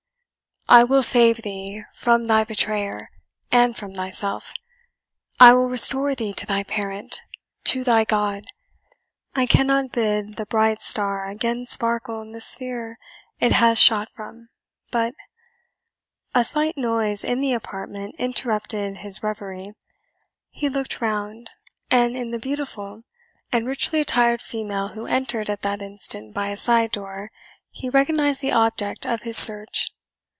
I will save thee from thy betrayer, and from thyself; I will restore thee to thy parent to thy God. I cannot bid the bright star again sparkle in the sphere it has shot from, but " A slight noise in the apartment interrupted his reverie. He looked round, and in the beautiful and richly attired female who entered at that instant by a side door he recognized the object of his search.